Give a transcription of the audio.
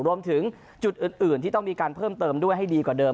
รวมถึงจุดอื่นที่ต้องมีการเพิ่มเติมด้วยให้ดีกว่าเดิม